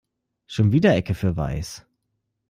Schon wieder Ecke für Weiß.